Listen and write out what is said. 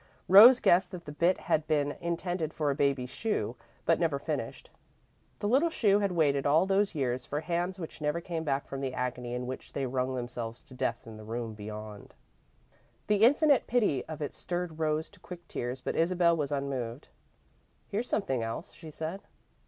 Rose guessed that the bit had been intended for a baby's shoe, but never finished. The little shoe had waited, all those years, for hands that never came back from the agony in which they wrung themselves to death in the room beyond. The infinite pity of it stirred Rose to quick tears, but Isabel was unmoved. "Here's something else," she said.